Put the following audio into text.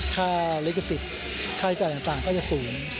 ค่าลิขสิทธิ์ค่าใช้จ่ายต่างก็จะสูง